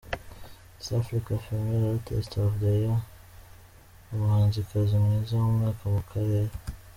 East African Femele Artist of the year: Umuhanzikazi mwiza w’umwaka mu karere.